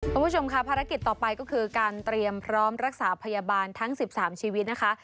คุณผู้ชมค่ะภารกิจต่อไปก็คือการเตรียมพร้อมรักษาพยาบาลทั้ง๑๓ชีวิตนะคะ